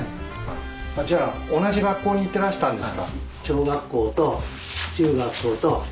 じゃあ同じ学校に行ってらしたんですか？